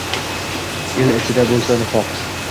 El ichida bo’lsa nifoq